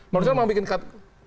bang nusra mau bikin cut